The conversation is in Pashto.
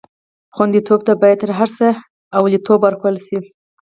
خوندیتوب ته باید تر هر څه لومړیتوب ورکړل شي.